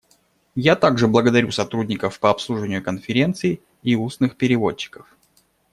Я также благодарю сотрудников по обслуживанию конференций и устных переводчиков.